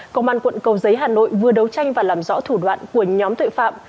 công an quận cầu giấy hà nội vừa đấu tranh và làm rõ thủ đoạn của nhóm tội phạm